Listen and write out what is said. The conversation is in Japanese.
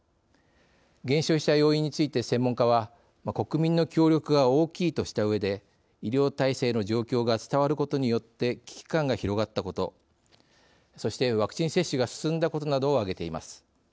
減少した要因について専門家は国民の協力が大きいとしたうえで医療体制の状況が伝わることによって危機感が広がったことそしてワクチン接種が進んだことなどを挙げています。